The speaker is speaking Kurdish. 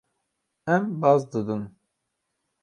Em baz didin.